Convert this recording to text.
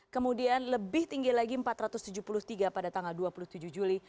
kemudian lebih tinggi lagi empat ratus tujuh puluh tiga pada tanggal dua puluh tujuh juli